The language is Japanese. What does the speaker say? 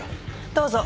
どうぞ。